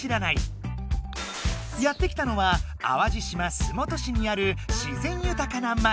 やってきたのは淡路島洲本市にある自ぜんゆたかな町。